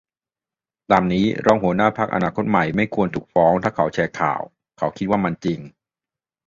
ตามนี้ รองหัวหน้าพรรคอนาคตใหม่ไม่ควรถูกฟ้องถ้าตอนเขาแชร์ข่าวเขาคิดว่ามันจริง